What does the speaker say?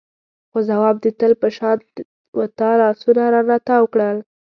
خو ځواب د تل په شان و تا لاسونه رانه تاو کړل.